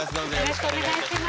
よろしくお願いします。